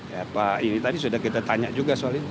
ya pak ini tadi sudah kita tanya juga soal itu